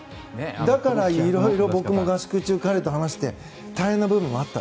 だから僕も合宿中に彼と話して大変な部分もあった。